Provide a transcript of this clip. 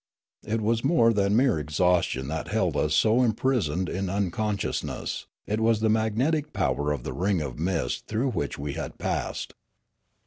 It was more than mere exhaustion that held us so imprisoned in unconsciousness ; it was the magnetic power of the ring of mist through which we had passed.